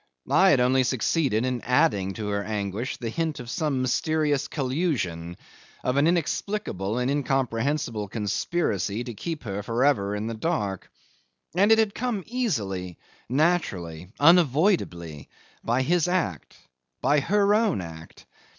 I had only succeeded in adding to her anguish the hint of some mysterious collusion, of an inexplicable and incomprehensible conspiracy to keep her for ever in the dark. And it had come easily, naturally, unavoidably, by his act, by her own act!